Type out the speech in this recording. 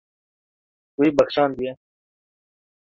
Wî bexşandiye.